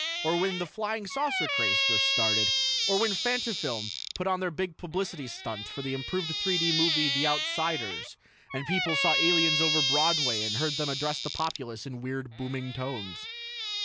Or when the 'Flying Saucer' craze first started. Or when Fantafilm put on their big publicity stunt for the improved 3 D movie, 'The Outsiders', and people saw the aliens over Broadway and heard them address the populace in weird, booming tones.